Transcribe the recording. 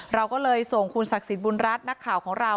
เราก็เลยส่งคุณศักดิ์สิทธิ์บุญรัฐนักข่าวของเรา